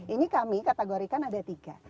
ini kami kategorikan ada tiga